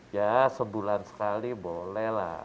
ya sebulan sekali bolehlah